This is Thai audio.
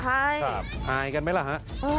อายกันไหมล่ะฮะ